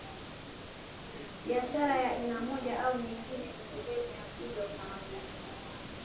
Biashara ya aina moja au nyingine ni sehemu ya asili ya utamaduni